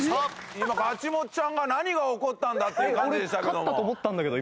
今ガチモっちゃんが何が起こったんだっていう感じ。